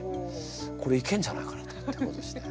これいけんじゃないかなってことでしてね。